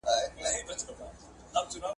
سپی وفاداره دئ.